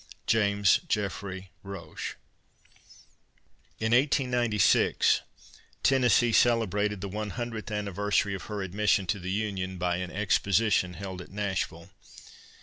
JAMES JEFFREY ROCHE. In 1896 Tennessee celebrated the one hundredth anniversary of her admission to the Union, by an exposition held at Nashville.